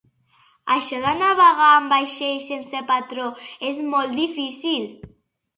Això de navegar amb vaixell sense patró és molt difícil